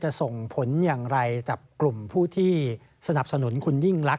ส่งผลอย่างไรกับกลุ่มผู้ที่สนับสนุนคุณยิ่งลักษ